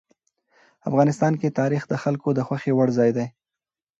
افغانستان کې تاریخ د خلکو د خوښې وړ ځای دی.